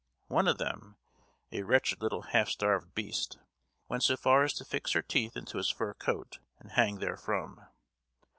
One of them, a wretched little half starved beast, went so far as to fix her teeth into his fur coat and hang therefrom.